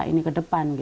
ini ke depan